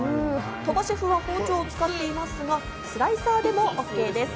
鳥羽シェフは包丁を使っていますが、スライサーでもＯＫです。